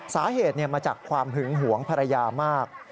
สาเหตุมาจากความหึงหวงภรรยามาก